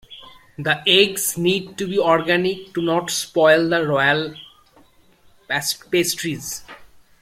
The eggs need to be organic to not spoil the royal pastries.